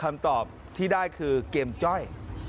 คำตอบที่ได้คือเกมจ้อย